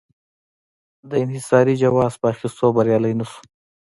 د انحصاري جواز په اخیستو بریالی نه شو.